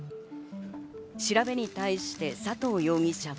調べに対して佐藤容疑者は。